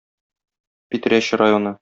Питрәч районы.